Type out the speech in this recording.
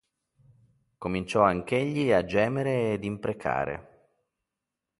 Cominciò anch'egli a gemere ed imprecare.